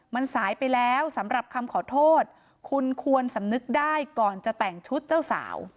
มันสายไปแล้วสำหรับคำขอโทษคุณควรสำนึกได้ก่อนจะแต่งชุดเจ้าสาว